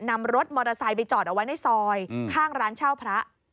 นำรถมอเตอร์ไซค์ไปจอดเอาไว้ในซอยข้างร้านเช่าพระ